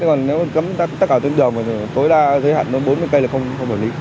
nhưng nếu cấm tất cả tương đồng thì tối đa dưới hẳn bốn mươi km là không hợp lý